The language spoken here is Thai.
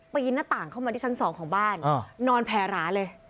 หน้าต่างเข้ามาที่ชั้น๒ของบ้านนอนแผลหราเลย